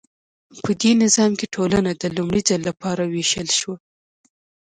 په دې نظام کې ټولنه د لومړي ځل لپاره ویشل شوه.